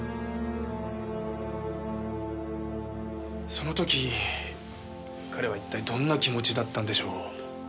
その時彼は一体どんな気持ちだったんでしょう。